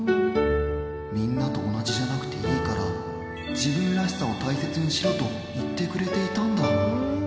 みんなと同じじゃなくていいから、自分らしさを大切にしろと言ってくれていたんだ。